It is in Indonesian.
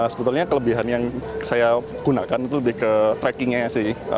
sebetulnya kelebihan yang saya gunakan itu lebih ke trackingnya sih